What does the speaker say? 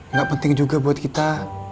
nggak penting juga buat kita